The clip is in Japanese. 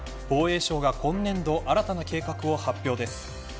防衛省が今年度新たな計画を発表です。